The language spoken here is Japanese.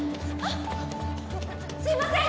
すいません！